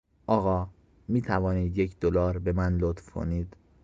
آقا، میتوانید یک دلار به من لطف کنید؟